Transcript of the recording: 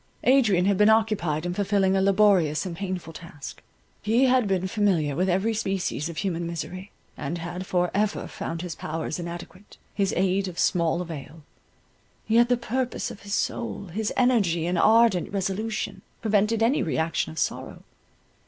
Adrian had been occupied in fulfilling a laborious and painful task. He had been familiar with every species of human misery, and had for ever found his powers inadequate, his aid of small avail. Yet the purpose of his soul, his energy and ardent resolution, prevented any re action of sorrow.